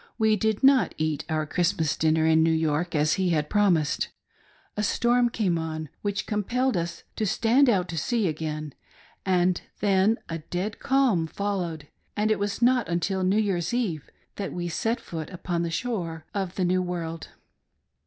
We did not eat our Christmas dinner in New York, as he had promised, A storm came on, which compelled us to stand out to sea again, and then a dead calm followed, and it was not until New Year's eve that we set foot upon the shore of the New World.